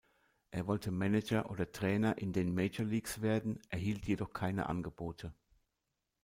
Er wollte Manager oder Trainer in den Major Leagues werden, erhielt jedoch keine Angebote.